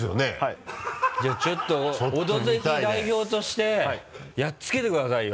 じゃあちょっと「オドぜひ」代表としてやっつけてくださいよ。